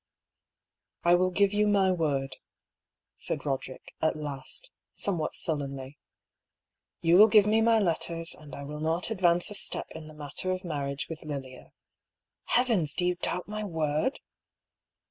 " I will give you my word," said Boderick at last, somewhat sullenly. "You give me my letters, and I will not advance a step in the matter of marriage with Lilia. Heavens ! do you doubt my word